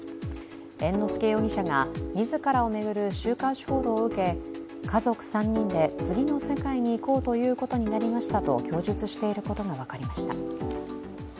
猿之助容疑者が自らを巡る週刊誌報道を受け、家族３人で次の世界にいこうということになりましたと、供述していることが分かりました。